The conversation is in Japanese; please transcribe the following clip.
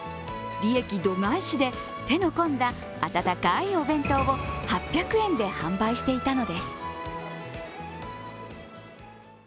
利益度外視で手の込んだ温かいお弁当を８００円で販売していたのです。